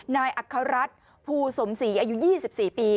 นายอัครรัฐภูสมศรีอายุ๒๔ปี